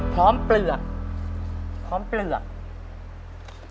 พร้อมเปลือกพร้อมเปลือกนะครับ